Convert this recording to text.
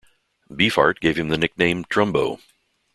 Beefheart gave him the nickname "Drumbo".